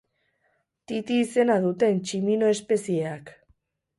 Titi izena duten tximino espezieak.